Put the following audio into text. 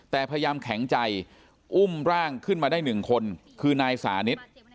แต่พยายามแข็งใจอุ้มร่างขึ้นมาได้หนึ่งคนคือนายสานิท